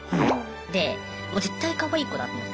でもう絶対かわいい子だと思って。